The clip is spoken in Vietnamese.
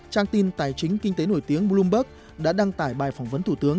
trang tin tài chính kinh tế nổi tiếng bloomberg đã đăng tải bài phỏng vấn thủ tướng